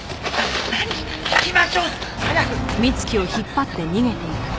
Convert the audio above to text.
行きましょう早く！